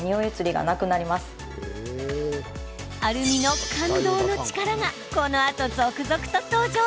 アルミの感動の力がこのあと続々と登場。